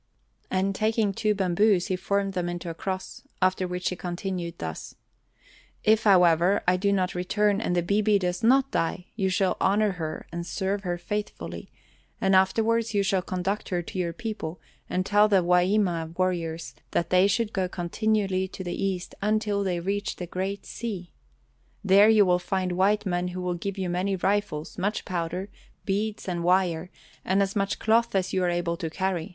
And taking two bamboos, he formed them into a cross, after which he continued thus: "If, however, I do not return and the 'bibi' does not die you shall honor her and serve her faithfully, and afterwards you shall conduct her to your people, and tell the Wahima warriors that they should go continually to the east until they reach the great sea. There you will find white men who will give you many rifles, much powder, beads, and wire, and as much cloth as you are able to carry.